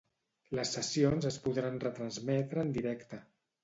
Les sessions es podran retransmetre en directe.